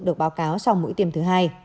được báo cáo sau mũi tiêm thứ hai